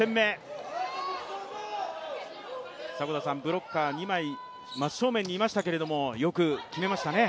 ブロッカー２枚真正面にいましたけれども、よく決めましたね。